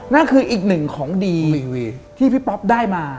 นั่นคืออีกหนึ่งของดีที่พี่ป๊อปได้มา